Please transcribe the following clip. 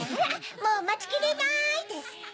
「もうまちきれない」ですって。